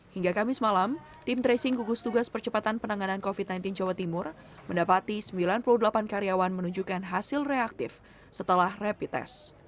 hingga kamis malam tim tracing gugus tugas percepatan penanganan covid sembilan belas jawa timur mendapati sembilan puluh delapan karyawan menunjukkan hasil reaktif setelah rapid test